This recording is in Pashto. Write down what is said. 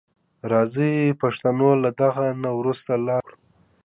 راځي پښتنو له دغه نه وروسته لاس سره یو کړو او تعلیم وکړو.